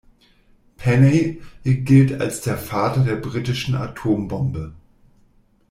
Penney gilt als der Vater der britischen Atombombe.